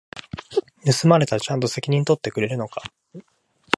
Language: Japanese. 盗まれたらちゃんと責任取ってくれるのか？